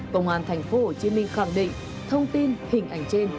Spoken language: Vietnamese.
công an thành phố hồ chí minh khẳng định thông tin hình ảnh trên